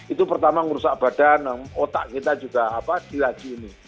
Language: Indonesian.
itu pertama merusak badan otak kita juga dilaju ini